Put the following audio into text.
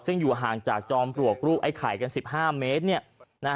ซึ่งอยู่ห่างจากจอมปลวกรูปไอ้ไข่กัน๑๕เมตร